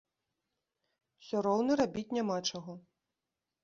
Усё роўна рабіць няма чаго.